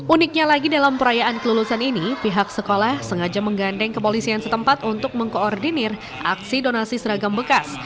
uniknya lagi dalam perayaan kelulusan ini pihak sekolah sengaja menggandeng kepolisian setempat untuk mengkoordinir aksi donasi seragam bekas